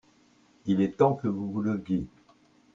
Il est temps que vous vous leviez.